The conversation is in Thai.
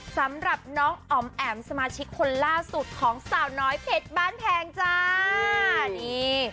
สำหรับน้องอ๋อมแอ๋มสมาชิกคนล่าสุดของสาวน้อยเพชรบ้านแพงจ้านี่